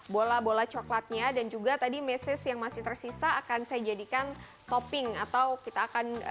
bola bola coklatnya dan juga tadi mesej yang masih tersisa akan saya jadikan topping atau kita akan